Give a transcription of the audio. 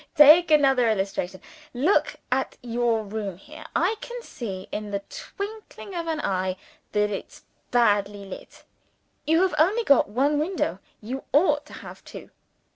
Take another illustration. Look at your room here. I can see in the twinkling of an eye, that it's badly lit. You have only got one window you ought to have two.